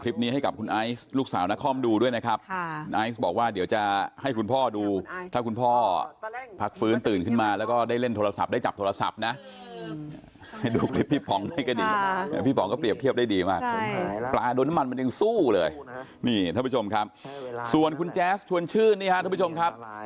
รักจริงครับรักมาก